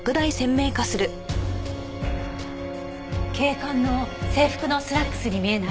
警官の制服のスラックスに見えない？